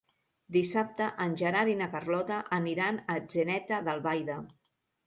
Dissabte en Gerard i na Carlota aniran a Atzeneta d'Albaida.